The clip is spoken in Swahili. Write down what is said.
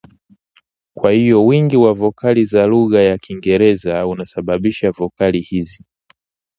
Kwa hivyo wingi wa vokali za lugha ya Kiingereza unasababisha vokali hizi